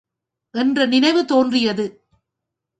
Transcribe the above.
என்ற நினைவு தோன்றியது.